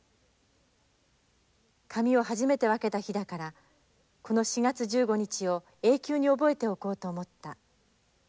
髪を初めて分けた日だからこの４月１５日を永久に覚えておこうと思った」。